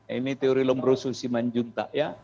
ini teori lombroso siman junta ya